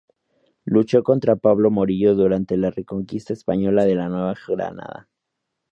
Luchó contra Pablo Morillo, durante la reconquista española de la Nueva Granada.